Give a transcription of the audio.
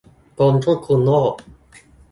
กรมควบคุมโรค